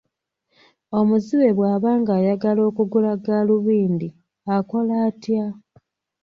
Omuzibe bw'aba ng'ayagala kugula gaalubindi, akola atya?